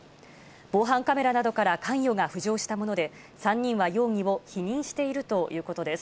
防犯カメラなどから関与が浮上したもので、３人は容疑を否認しているということです。